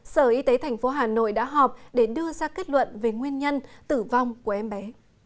sở y tế tp hà nội đã họp để đưa ra kết luận về nguyên nhân tử vong của em bé